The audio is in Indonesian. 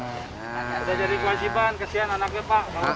sudah jadi kelanjiban kesian anaknya pak